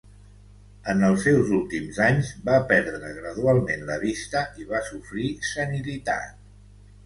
En els seus últims anys, va perdre gradualment la vista i va sofrir senilitat.